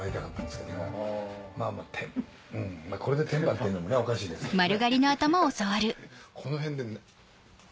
うんこれで「天パ」っていうのもおかしいですけどね。